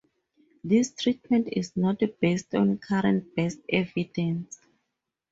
This treatment is not based on current best evidence.